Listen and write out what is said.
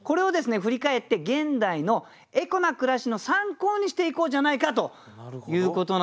振り返って現代のエコな暮らしの参考にしていこうじゃないかということなんですよね。